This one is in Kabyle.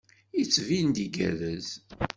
Yettbin-d igerrez.